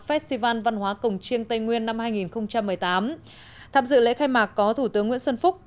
festival văn hóa cổng chiêng tây nguyên năm hai nghìn một mươi tám tham dự lễ khai mạc có thủ tướng nguyễn xuân phúc